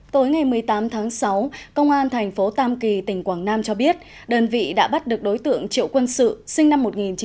tối ngày một mươi tám tháng sáu công an thành phố tam kỳ tỉnh quảng nam cho biết đơn vị đã bắt được đối tượng triệu quân sự sinh năm một nghìn chín trăm tám mươi